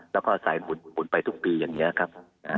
แล้วก็ใส่หมุนไปทุกปีอย่างนี้ครับ